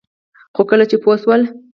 خو کله چې پوه شول